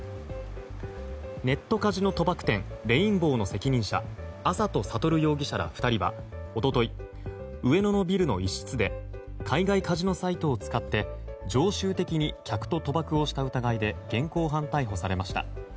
ネットカジノ賭博店レインボーの責任者安里悟容疑者ら２人は一昨日上野のビルの一室で海外カジノサイトを使って常習的に客と賭博をした疑いで現行犯逮捕されました。